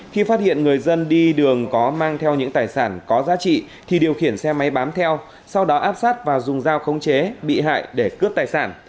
khi phát hiện người dân đi đường có mang theo những tài sản có giá trị thì điều khiển xe máy bám theo sau đó áp sát và dùng dao khống chế bị hại để cướp tài sản